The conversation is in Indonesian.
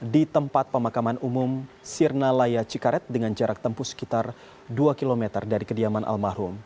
di tempat pemakaman umum sirnalaya cikaret dengan jarak tempuh sekitar dua km dari kediaman almarhum